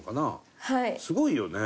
すごいよね。